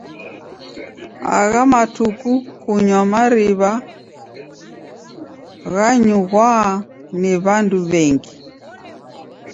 Agha matuku kunywa mariw'a ghanyughwa ni w'andu w'engi.